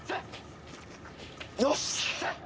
よし！